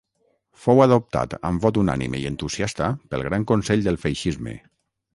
Fou adoptat amb vot unànime i entusiasta pel Gran Consell del Feixisme.